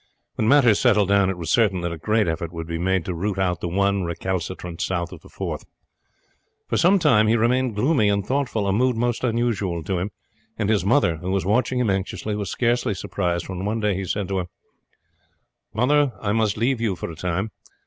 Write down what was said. When matters settled down it was certain that a great effort would be made to root out the one recalcitrant south of the Forth. For some time he remained gloomy and thoughtful, a mood most unusual to him, and his mother, who was watching him anxiously, was scarcely surprised when one day he said to her: "Mother, I must leave you for a time.